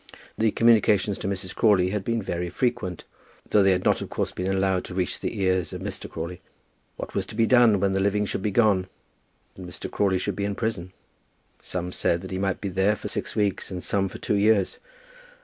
The communications to Mrs. Crawley had been very frequent, though they had not of course been allowed to reach the ears of Mr. Crawley. What was to be done when the living should be gone and Mr. Crawley should be in prison? Some said that he might be there for six weeks, and some for two years.